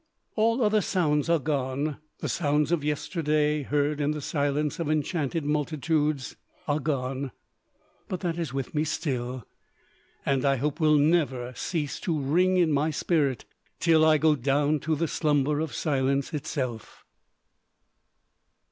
All other sounds are gone; the sounds of yesterday, heard in the silence of enchanted multitudes, are gone; but that is with me still, and I hope will never cease to ring in my spirit till I go down to the slumber of silence itself.